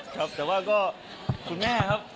ครับแต่ว่าก็คุณแม่ครับ